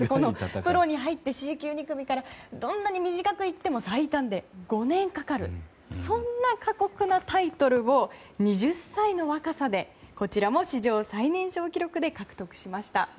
プロに入ってＣ級２組からどんなに短くいっても最短で５年かかるそんな過酷なタイトルを２０歳の若さでこちらも史上最年少記録で獲得しました。